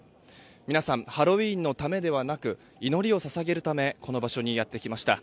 皆さんハロウィーンのためではなく祈りを捧げるためこの場所にやってきました。